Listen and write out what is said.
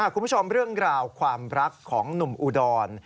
คุณผู้ชมเรื่องราวความรักของหนุ่มอุดร